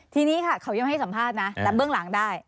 ทีนี้ค่ะเขายังไม่ให้สัมภาษณ์นะแต่เบื้องหลังได้